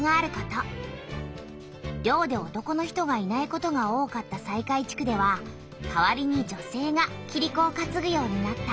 漁で男の人がいないことが多かった西海地区では代わりに女性がキリコをかつぐようになった。